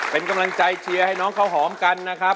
เป็นกำลังใจเชียร์ให้น้องข้าวหอมกันนะครับ